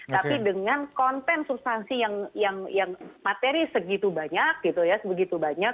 tapi dengan konten substansi yang materi segitu banyak